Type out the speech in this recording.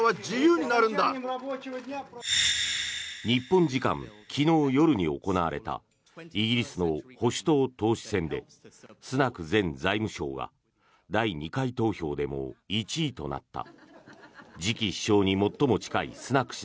日本時間昨日夜に行われたイギリスの保守党党首選でスナク前財務相が第２回投票でも１位となった。